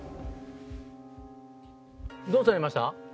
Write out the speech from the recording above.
どうされました？